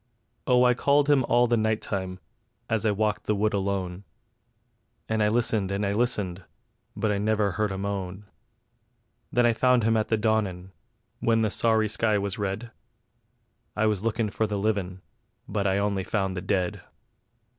Oh I called him all the night time, as I walked the wood alone; And I listened and I listened, but I nivver heard a moan; Then I found him at the dawnin', when the sorry sky was red: I was lookin' for the livin', but I only found the dead.